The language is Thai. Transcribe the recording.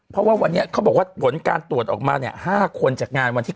เพราะว่าวันนี้เขาบอกว่าผลการตรวจออกมาเนี่ย๕คนจากงานวันที่๙